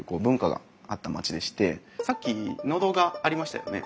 さっき農道がありましたよね？